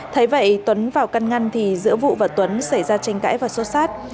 thế vậy tuấn vào căn ngăn thì giữa vũ và tuấn xảy ra tranh cãi và xốt xát